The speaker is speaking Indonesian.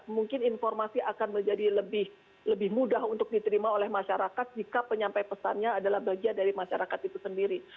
mungkin informasi akan menjadi lebih mudah untuk diterima oleh masyarakat jika penyampai pesannya adalah bagian dari masyarakat itu sendiri